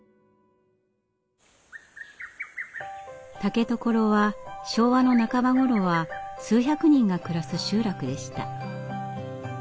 竹所は昭和の半ば頃は数百人が暮らす集落でした。